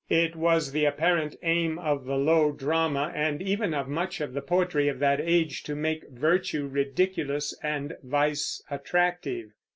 It was the apparent aim of the low drama, and even of much of the poetry of that age, to make virtue ridiculous and vice attractive.